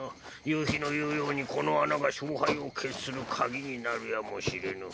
夕日の言うようにこの穴が勝敗を決する鍵になるやもしれぬ。